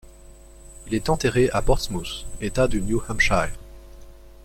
Il est enterré à Portsmouth, État de New Hampshire.